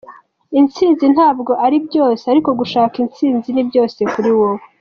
Intsinzi ntabwo ari byose, ariko gushaka Intsinzi ni byose kuri wowe.